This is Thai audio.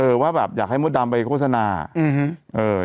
เออว่าแบบอยากให้มดดำไปโฆษณาโอ้โห